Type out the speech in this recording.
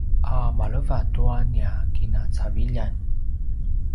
a maleva tua nia kinacaviljan